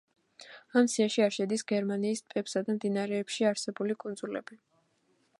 ამ სიაში არ შედის გერმანიის ტბებსა და მდინარეებში არსებული კუნძულები.